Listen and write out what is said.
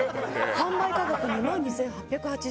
販売価格２万２８８０円。